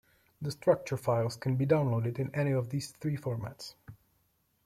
The structure files can be downloaded in any of these three formats.